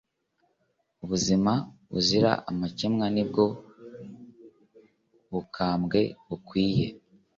ubuzima buzira amakemwa ni bwo bukambwe bukwiye